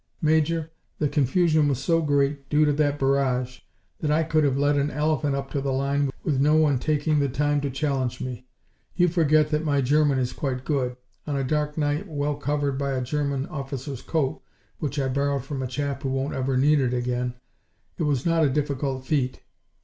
"Major, the confusion was so great, due to that barrage, that I could have led an elephant up to the line with no one taking the time to challenge me. You forget that my German is quite good. On a dark night, well covered by a German officer's coat, which I borrowed from a chap who won't ever need it again, it was not a difficult feat.